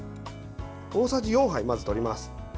大さじ４杯、まず取ります。